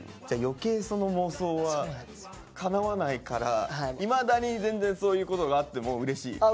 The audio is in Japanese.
じゃ余計その妄想はかなわないからいまだに全然そういうことがあってもうれしい？